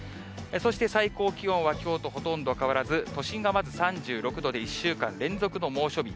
そして、最高気温はきょうとほとんど変わらず、都心がまず３６度で１週間連続の猛暑日。